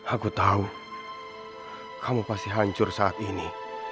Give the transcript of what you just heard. aku tahu kamu pasti hancur saat ini